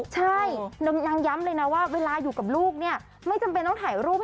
ใช่นางย้ำเลยนะว่าเวลาอยู่กับลูกเนี่ยไม่จำเป็นต้องถ่ายรูป